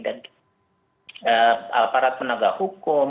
dan alparat penegak hukum